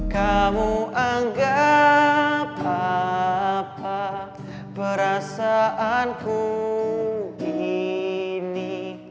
kamu anggap apa perasaanku ini